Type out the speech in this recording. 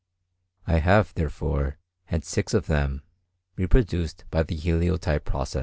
I have, therefore, had six of them (Plate I.) reproduced by the heliotype process.